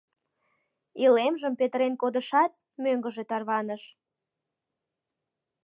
Илемжым петырен кодышат, мӧҥгыжӧ тарваныш.